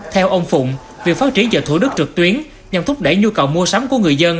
theo ông phụng việc phát triển chợ thủ đức trực tuyến nhằm thúc đẩy nhu cầu mua sắm của người dân